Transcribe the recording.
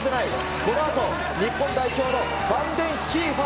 このあと日本代表のファンデンヒーファー。